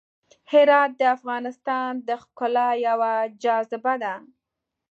هرات د افغانستان د ښکلا یوه جاذبه ده.